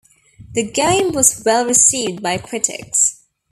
The game was well received by critics.